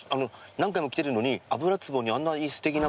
何回も来てるのに油壺にあんなにすてきな。